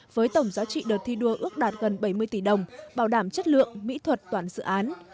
với tổng giá trị đợt thi đua ước đạt gần bảy mươi tỷ đồng bảo đảm chất lượng mỹ thuật toàn dự án